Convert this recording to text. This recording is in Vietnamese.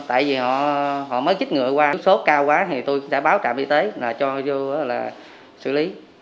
tại vì họ mới chích ngừa qua sốt cao quá thì tôi đã báo trạm y tế là cho vô là xử lý